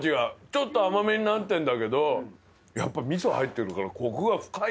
ちょっと甘めになってんだけどやっぱ味噌入ってるからコクが深いね。